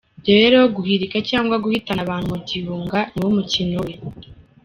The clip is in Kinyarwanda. Rero guhirika cyangwa guhitana abantu mu gihunga niwo mukino we.